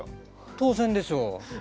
当然でしょう。